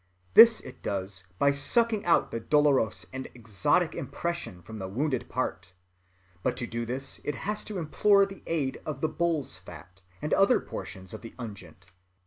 This it does by sucking out the dolorous and exotic impression from the wounded part. But to do this it has to implore the aid of the bull's fat, and other portions of the unguent.